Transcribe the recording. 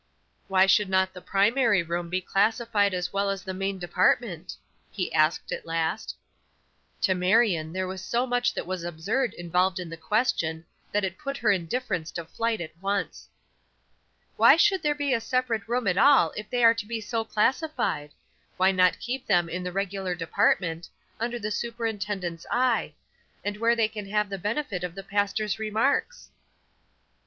"Why should not the primary room be classified as well as the main department?" he asked, at last. To Marion there was so much that was absurd involved in the question that it put her indifference to flight at once. "Why should there be a separate room at all if they are to be so classified? Why not keep them in the regular department, under the superintendent's eye, and where they can have the benefit of the pastor's remarks?"